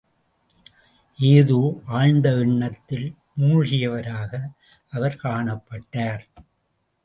ஏதோ ஆழ்ந்த எண்ணத்தில் மூழ்கியவராக அவர் காணப்பட்டார்.